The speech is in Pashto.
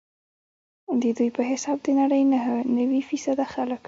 ددوی په حساب د نړۍ نهه نوي فیصده خلک.